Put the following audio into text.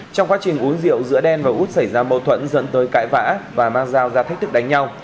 trong quá trình uống rượu giữa đen và út xảy ra mâu thuẫn dẫn tới cãi vã và mang dao ra thách thức đánh nhau